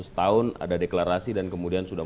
setahun ada deklarasi dan kemudian sudah